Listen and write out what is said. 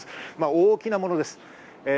大きなものです。